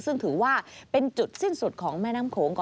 ซึ่งถือว่าเป็นจุดสิ้นสุดของแม่น้ำโขง